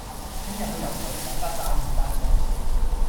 聽日去游水，大家贊唔贊成